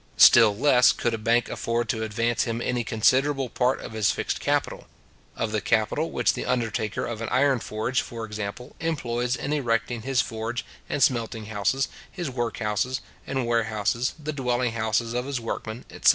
Still less could a bank afford to advance him any considerable part of his fixed capital; of the capital which the undertaker of an iron forge, for example, employs in erecting his forge and smelting houses, his work houses, and warehouses, the dwelling houses of his workmen, etc.